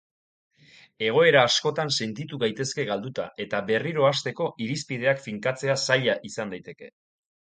Egoera askotan sentitu gaitezke galduta eta berriro hasteko irizpideak finkatzea zaila izan daiteke.